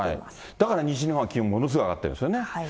だから西日本は気温、ものすごい上がってるんですよね。